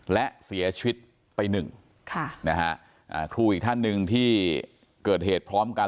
และเสียชีวิตไปหนึ่งค่ะนะฮะครูอีกท่านหนึ่งที่เกิดเหตุพร้อมกัน